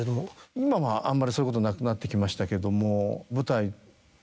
今はあんまりそういうことなくなってきましたけども。